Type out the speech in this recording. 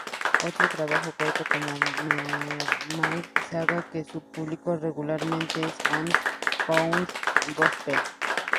Otro trabajo corto, como Mermaid Saga, que se publicó irregularmente es "One Pound Gospel".